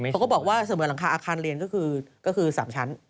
เขาก็บอกว่าเสมือนหลังคาอาคารเรียนก็คือ๓ชั้น